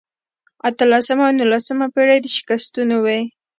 اتلسمه او نولسمه پېړۍ د شکستونو وې.